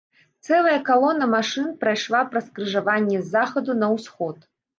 Цэлая калона машын прайшла праз скрыжаванне з захаду на ўсход.